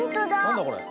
なんだこれ？